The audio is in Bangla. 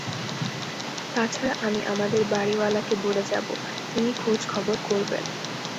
তা ছাড়া আমি আমাদের বাড়িওয়ালাকে বলে যাব, তিনি খোঁজ খবর করবেন।